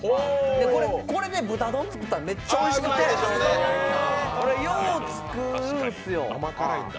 これで豚丼作ったらめっちゃおいしくて、よう作るんすよ。